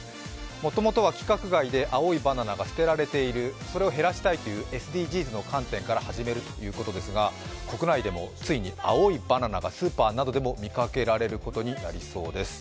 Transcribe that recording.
もともとは規格外で青いバナナは捨てられている、それを減らしたいというＳＤＧｓの観点から始めるということですが国内でもついに青いバナナがスーパーなどでも見かけられることになりそうです。